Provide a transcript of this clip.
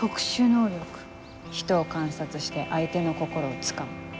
ひとを観察して相手の心をつかむ。